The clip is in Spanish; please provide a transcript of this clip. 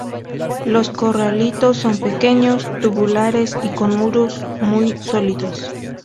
Los coralitos son pequeños, tubulares y con muros muy sólidos.